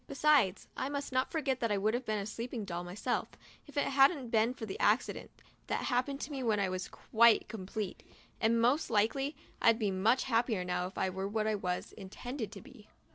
Besides, I must not forget that I would have been a sleeping doll myself, if it hadn't been for the accident that happened to me when I wasn't quite complete — and, most likely, I'd be much happier now if I were what I was intended to be.